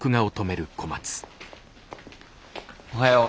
おはよう。